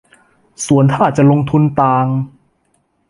ส่วนถ้าจะลงทุนต่าง